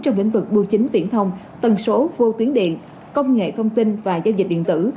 trong lĩnh vực bưu chính viễn thông tần số vô tuyến điện công nghệ thông tin và giao dịch điện tử